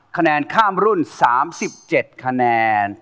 คะแนนข้ามรุ่น๓๗คะแนน